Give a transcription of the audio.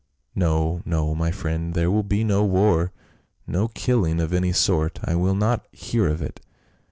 " No, no, my friend, there will be no war — no killing of any sort ; I will not hear of it."